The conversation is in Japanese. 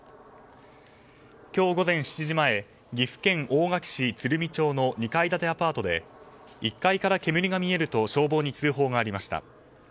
今日午前７時前岐阜県大垣市鶴見町の２階建てアパートで１階から煙が見えると消防に通報がありました。